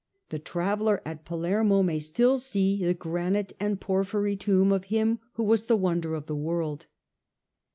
The traveller at Palermo may still see the granite and porphyry tomb of him who was the wonder of the world.